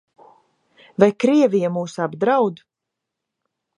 Vai Krievija mūs apdraud?